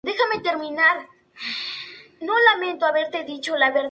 El single "You Wouldn't Known" fue distribuido a las radios norteamericanas en febrero.